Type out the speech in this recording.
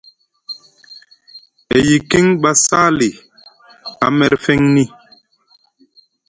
E yikiŋ ba Sali a merfeŋni.